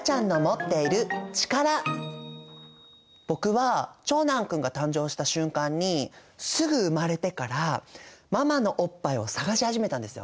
僕は長男君が誕生した瞬間にすぐ生まれてからママのおっぱいを探し始めたんですよ。